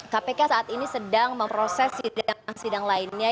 kpk saat ini sedang memproses sidang sidang lainnya